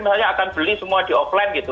misalnya akan beli semua di offline gitu